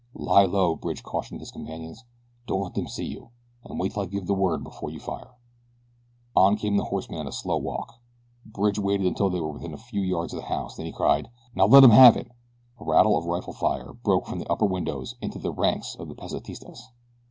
"Lie low!" Bridge cautioned his companions. "Don't let them see you, and wait till I give the word before you fire." On came the horsemen at a slow walk. Bridge waited until they were within a few yards of the house, then he cried: "Now! Let 'em have it!" A rattle of rifle fire broke from the upper windows into the ranks of the Pesitistas.